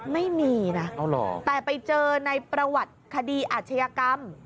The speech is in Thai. ไม่มีนะแต่ไปเจอในประวัติคดีอาชญากรรม